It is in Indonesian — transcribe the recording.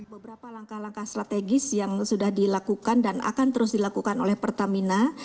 beberapa langkah langkah strategis yang sudah dilakukan dan akan terus dilakukan oleh pertamina